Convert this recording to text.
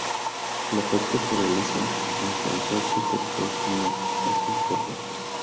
La pesca se realiza en consorcio, porque es un coto.